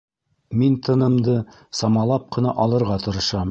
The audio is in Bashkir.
Мин тынымды самалап ҡына алырға тырышам.